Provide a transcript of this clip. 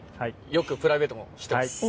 よくプライベートも一緒です。